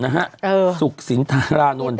นะฮะสุขศิลป์ทาราณนท์